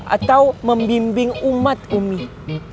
atau membimbing umat ustadz